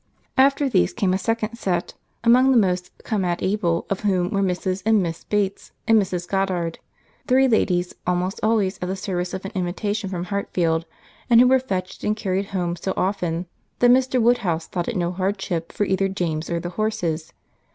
After these came a second set; among the most come at able of whom were Mrs. and Miss Bates, and Mrs. Goddard, three ladies almost always at the service of an invitation from Hartfield, and who were fetched and carried home so often, that Mr. Woodhouse thought it no hardship for either James or the horses.